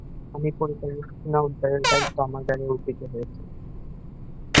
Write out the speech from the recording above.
আমার পরিবারের সোনা উদ্ধারের দায়িত্ব আমার ঘাড়ে অর্পিত হয়।